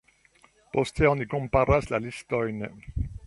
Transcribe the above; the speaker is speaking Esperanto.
Poste oni komparas la listojn.